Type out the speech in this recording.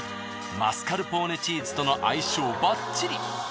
マスカルポーネチーズとの相性バッチリ！